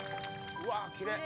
うわっきれい！